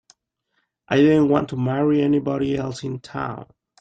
I didn't want to marry anybody else in town.